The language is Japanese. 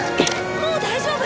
もう大丈夫！